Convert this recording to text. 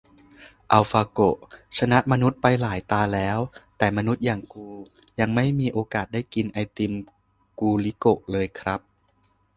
อัลฟาโกะชนะมนุษย์ไปหลายตาแล้ว แต่มนุษย์อย่างกูยังไม่มีโอกาสได้กินไอติมกูลิโกะเลยครับ